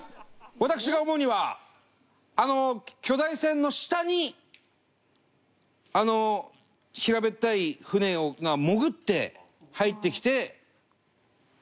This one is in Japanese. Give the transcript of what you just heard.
私が思うにはあの巨大船の下にあの平べったい船が潜って入ってきて。